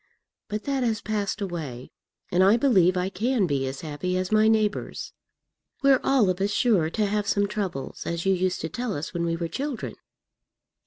But that has passed away, and I believe I can be as happy as my neighbours. We're all of us sure to have some troubles, as you used to tell us when we were children."